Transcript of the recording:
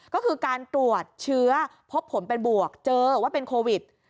ก็คือการตรวจเชื้อพบผลเป็นบวกเจอว่าเป็นโควิด